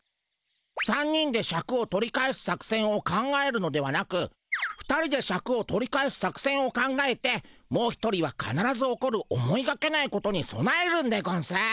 ３人でシャクを取り返す作せんを考えるのではなく２人でシャクを取り返す作せんを考えてもう一人はかならず起こる思いがけないことにそなえるんでゴンス。